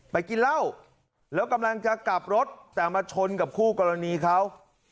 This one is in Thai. กินเหล้าแล้วกำลังจะกลับรถแต่มาชนกับคู่กรณีเขา